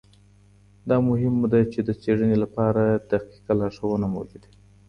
دا مهمه ده چي د څېړنې لپاره دقیقه لارښوونه موجوده وي.